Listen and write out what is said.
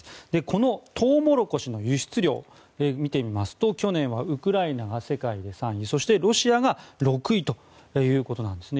このトウモロコシの輸出量を見てみますと去年はウクライナが世界３位そしてロシアが６位ということなんです。